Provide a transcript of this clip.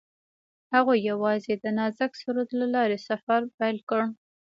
هغوی یوځای د نازک سرود له لارې سفر پیل کړ.